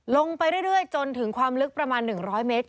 ลงไปเรื่อยจนถึงความลึกประมาณ๑๐๐เมตร